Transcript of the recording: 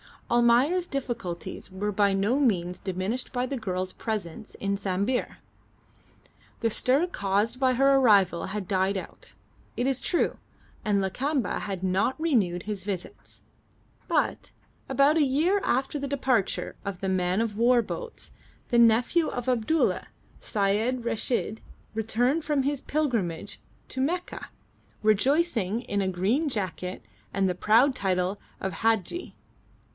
Almayer's difficulties were by no means diminished by the girl's presence in Sambir. The stir caused by her arrival had died out, it is true, and Lakamba had not renewed his visits; but about a year after the departure of the man of war boats the nephew of Abdulla, Syed Reshid, returned from his pilgrimage to Mecca, rejoicing in a green jacket and the proud title of Hadji.